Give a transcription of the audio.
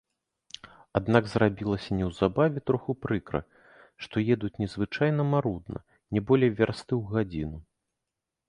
Аднак зрабілася неўзабаве троху прыкра, што едуць незвычайна марудна, не болей вярсты ў гадзіну.